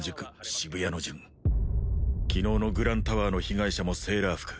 渋谷の順昨日のグランタワーの被害者もセーラー服